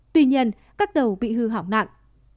tuy nhiên các tàu bị hư hỏng nặng